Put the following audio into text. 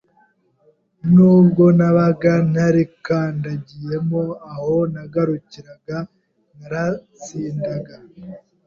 n’ubwo nabaga ntarikandagiyemo aho nagarukiraga naratsindaga.